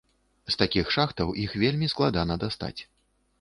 З такіх шахтаў іх вельмі складана дастаць.